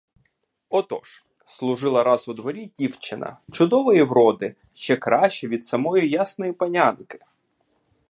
Отож, служила раз у дворі дівчина чудової вроди, ще краща від самої ясної панянки.